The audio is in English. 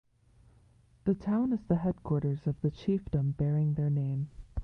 The town is the headquarters of the chiefdom bearing their name.